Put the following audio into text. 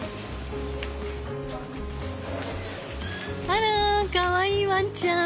あらかわいいワンちゃん！